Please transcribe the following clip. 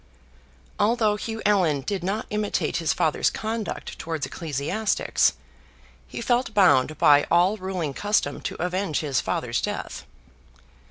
Although Hugh Allan did not imitate his father's conduct towards ecclesiastics, he felt bound by all ruling custom to avenge his father's death.